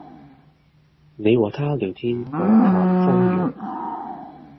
你和他聊天可談風月